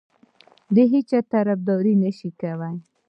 د هیچا طرفداري نه شي کولای.